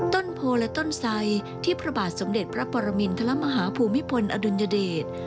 ต้นโพและต้นไซด์ที่พระบาทสมเด็จพระปรมินทรมาฮาภูมิพลอดุลยเดช